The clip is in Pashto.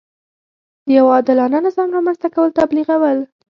د یوه عادلانه نظام رامنځته کول تبلیغول.